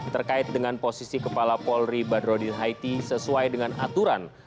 terkait dengan posisi kepala polri badrodin haiti sesuai dengan aturan